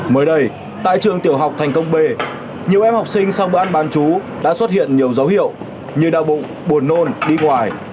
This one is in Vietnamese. mới đây tại trường tiểu học thành công b nhiều em học sinh sau bữa ăn bán chú đã xuất hiện nhiều dấu hiệu như đau bụng buồn nôn đi ngoài